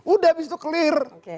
udah abis itu clear